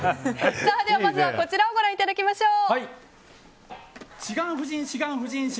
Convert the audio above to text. では、まずはこちらをご覧いただきましょう。